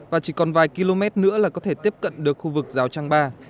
và chỉ còn vài km nữa là có thể tiếp cận được khu vực rào trăng ba